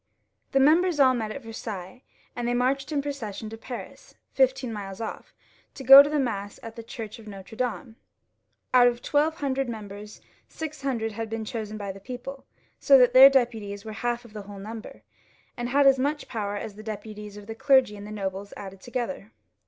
The members all met at Versailles, and they marched in procession into Paris, fifteen miles off, to go. to mass at the church of N&tre Dame. Out of the twelve hundred mem 380 LOUIS XVL [ch. bers, six hundred had been chosen by the people, so that their deputies were half of the whole number, and had as much power as the deputies of the clergy and the nobles added together.